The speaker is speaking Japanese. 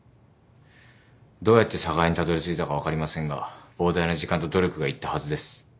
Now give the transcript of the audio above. どうやって寒河江にたどりついたか分かりませんが膨大な時間と努力が要ったはずです。